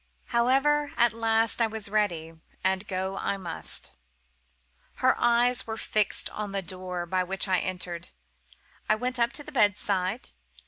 "However at last I was ready, and go I must. "Her eyes were fixed on the door by which I entered. I went up to the bedside.